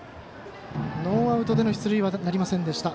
ノーアウトでの出塁はなりませんでした。